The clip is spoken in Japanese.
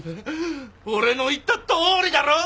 俺の言ったとおりだろ！